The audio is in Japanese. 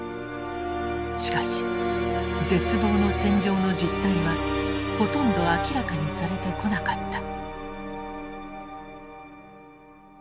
しかし絶望の戦場の実態はほとんど明らかにされてこなかった。